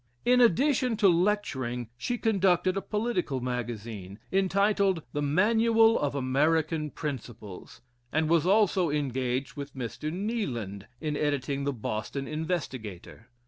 In addition to lecturing, she conducted a political magazine, entitled the Manual of American Principles, and was also engaged with Mr. Kneeland in editing the Boston Investigator.